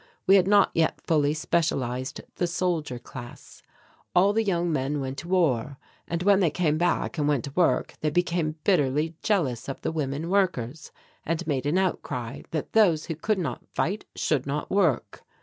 We had not yet fully specialized the soldier class. All the young men went to war; and, when they came back and went to work, they became bitterly jealous of the women workers and made an outcry that those who could not fight should not work.